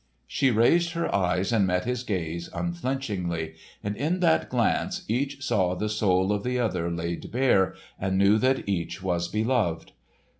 She raised her eyes and met his gaze unflinchingly; and in that glance each saw the soul of the other laid bare and knew that each was beloved.